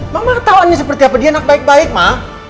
mama tahu ini seperti apa dia anak baik baik ma